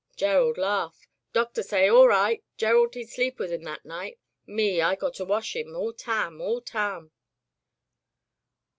Gerald laugh. Doctor say, all right. Gerald he sleep with 'im that night. Me, I got wash 'im, all tam, all tam."